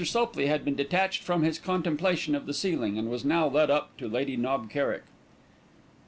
Sopley had been detached from his contemplation of the ceiling, and was now led up to Lady Knob Kerrick.